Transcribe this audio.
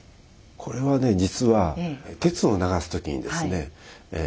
これは実は鉄を流す時にですね